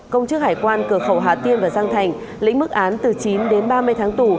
công chức hải quan cửa khẩu hà tiên và giang thành lĩnh mức án từ chín đến ba mươi tháng tù